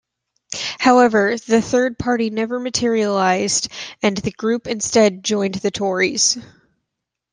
However, the third party never materialised and the group instead joined the Tories.